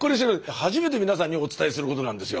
初めて皆さんにお伝えすることなんですよ。